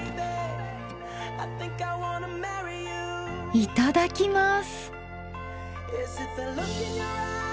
いただきます。